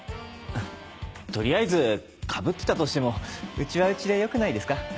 取りあえずかぶってたとしてもうちはうちでよくないですか？